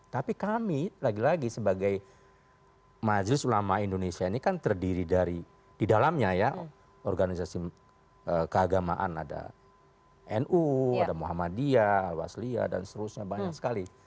tapi kami lagi lagi sebagai majelis ulama indonesia ini kan terdiri dari di dalamnya ya organisasi keagamaan ada nu ada muhammadiyah al wasliyah dan seterusnya banyak sekali